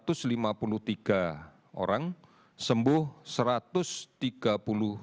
dan dki jakarta kasus baru dua ratus lima puluh tiga orang dan dki jakarta kasus baru dua ratus lima puluh tiga orang